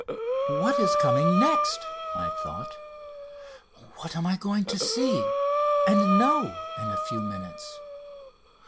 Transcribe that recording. "What is coming next?" I thought. "What am I going to see and know in a few minutes?